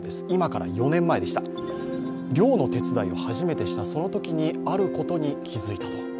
今から４年前、漁の手伝いを初めてしたそのときにあることに気づいたと。